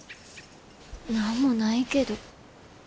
何もないけど。